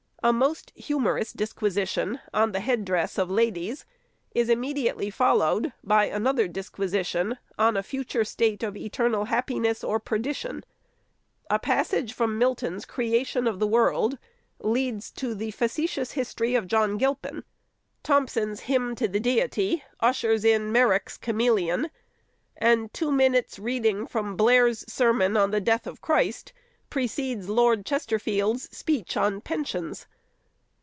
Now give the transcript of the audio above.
A most humorous disqui sition " On the head dress of ladies " is immediately followed by another disquisition, " On a future state of eternal happiness or perdition ;" a passage from Mil ton's " Creation of the world " leads on " The facetious history of John Gilpin ;" Thomson's " Hymn to the Deity " ushers in " Merrick's chameleon ;" and two minutes' reading from Blair's " Sermon on the Death of Christ " precedes Lord Chesterfield's " Speech on Pen sions."